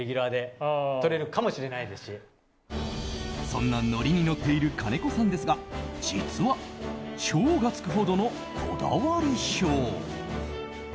そんな乗りに乗っている金子さんですが実は、超がつくほどのこだわり症。